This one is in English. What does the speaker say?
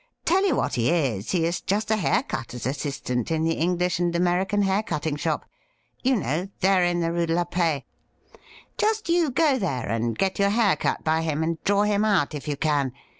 Tell you what he is : he is just a hair cutter's assistant in the English and American hair cutting shop — you know, there in the Rue de la Paix. Just you go there and get your hair cut by him, and draw him out, if you can.